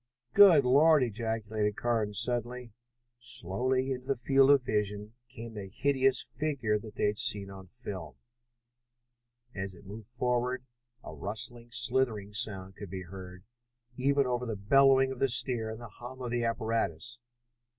"Good Lord!" ejaculated Carnes suddenly. Slowly into the field of vision came the hideous figure they had seen on the film. As it moved forward a rustling, slithering sound could be heard, even over the bellowing of the steer and the hum of the apparatus.